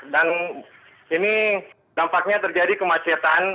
dan ini dampaknya terjadi kemacetan